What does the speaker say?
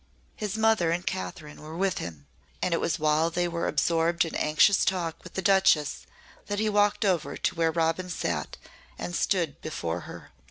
His mother and Kathryn were with him, and it was while they were absorbed in anxious talk with the Duchess that he walked over to where Robin sat and stood before her.